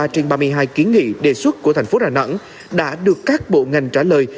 ba trên ba mươi hai kiến nghị đề xuất của thành phố đà nẵng đã được các bộ ngành trả lời